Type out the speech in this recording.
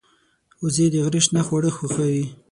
وزې د غره شنه خواړه خوښوي